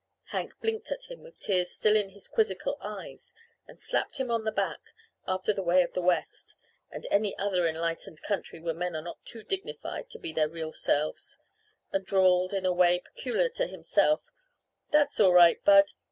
Hank blinked at him with tears still in his quizzical eyes and slapped him on the back, after the way of the West and any other enlightened country where men are not too dignified to be their real selves and drawled, in a way peculiar to himself: "That's all right, Bud.